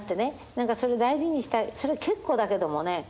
それ大事にしたいそれ結構だけどもね